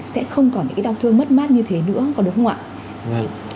sẽ không còn những cái đau thương mất mát như thế nữa có đúng không ạ